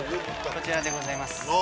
こちらでございます。